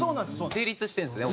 成立してるんですね